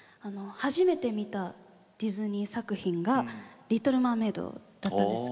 初めて見たディズニー作品が「リトル・マーメイド」だったんです。